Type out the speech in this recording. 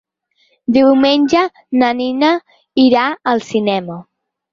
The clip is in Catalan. Diumenge na Nina irà al cinema.